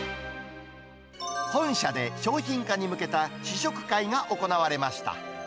本社で商品化に向けた試食会が行われました。